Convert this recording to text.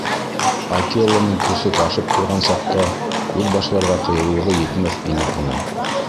Акеланың көсө ташып торған саҡта һүҙ башларға ҡыйыулығы етмәҫ ине уның.